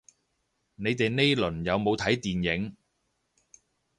你哋呢輪有冇睇電影